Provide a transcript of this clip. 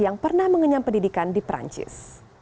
yang pernah mengenyam pendidikan di perancis